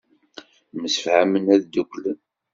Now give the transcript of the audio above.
Msefhamen ad dduklen.